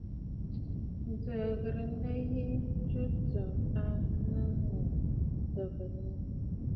Ǹjə̀ə̀ ghɨ̀rə nlɛ yi ŋù tsù a nɔʼɔ̀ nɨ̂ ǹtɔ̀ŋə̂ yi.